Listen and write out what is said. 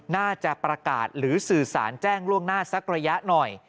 น่าจะประกาศหรือสื่อสารแจ้งล่วงหน้าสักระยะหน่อย